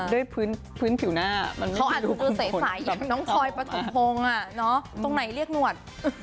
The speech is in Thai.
ด้วยพื้นผิวหน้าเขาอาจจะใสอย่างน้องพลอยปฐมพงศ์ตรงไหนเรียกหนวด